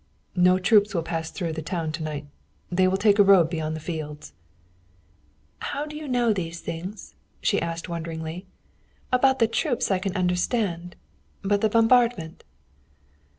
"No troops will pass through the town to night. They will take a road beyond the fields." "How do you know these things?" she asked, wondering. "About the troops I can understand. But the bombardment."